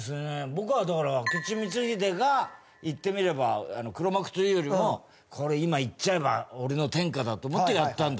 僕はだから明智光秀が言ってみれば黒幕というよりも「これ今いっちゃえば俺の天下だ」と思ってやったんだと。